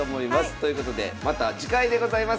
ということでまた次回でございます。